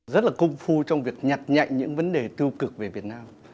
rất là công phu trong việc nhặt nhạy những vấn đề tiêu cực về việt nam